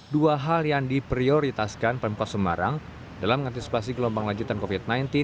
dua hal yang diprioritaskan pemkot semarang dalam mengantisipasi gelombang lanjutan covid sembilan belas